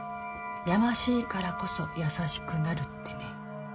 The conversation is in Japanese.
やましいからこそ優しくなるってね。